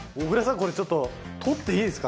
これちょっと撮っていいですか？